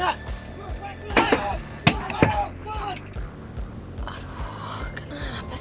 jalan terus nih boy